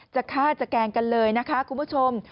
จะฆ่าจะแกล้งกันเลยนะคะคุณผู้ชม